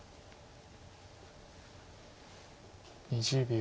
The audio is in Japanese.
２０秒。